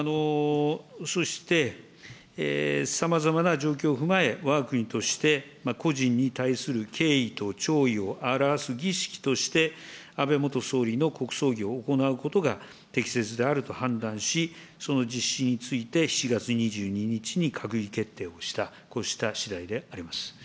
そして、さまざまな状況を踏まえ、わが国として、故人に対する敬意と弔意を表す儀式として、安倍元総理の国葬儀を行うことが適切であると判断し、その実施について、７月２２日に閣議決定をした、こうしたしだいであります。